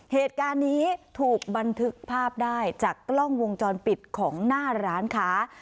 เหตุการณ์นี้ถูกบันทึกภาพได้จากกล้องวงจรปิดของหน้าร้านค้า